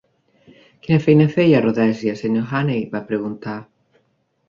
"Quina feina feia a Rhodesia, Sr. Hannay?" va preguntar.